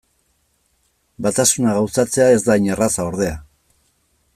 Batasuna gauzatzea ez da hain erraza, ordea.